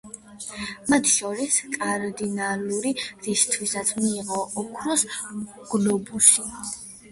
მათ შორის კარდინალური, რისთვისაც მიიღო ოქროს გლობუსი.